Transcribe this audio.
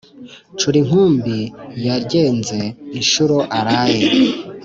Curinkumbi yaryenze inshuro araye